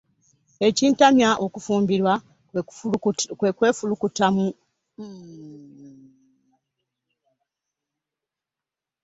Ekintamya okufumbirwa kwefulukuta kufumba mmere.